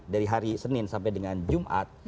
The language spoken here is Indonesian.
dari hari senin sampai dengan jumat